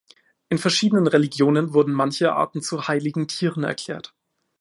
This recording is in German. In verschiedenen Religionen wurden manche Arten zu heiligen Tieren erklärt.